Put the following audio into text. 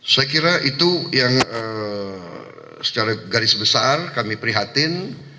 saya kira itu yang secara garis besar kami prihatin